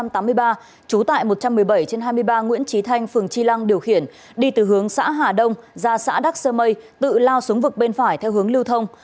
trú tại một trăm một mươi bảy trên hai mươi ba nguyễn trí thanh phường tri lăng điều khiển đi từ hướng xã hà đông ra xã đắc sơ mây tự lao xuống vực bên phải theo hướng lưu thông